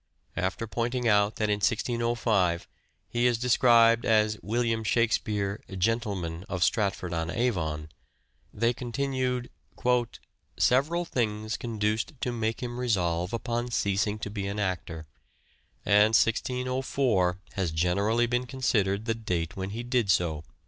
After pointing out that in 1605 he is described as " William Shakspere, Gentleman, of Stratford on Avon," they continued :" Several things conduced to make him resolve upon ceasing to be an actor, and 1604 has generally been considered the date when he did so."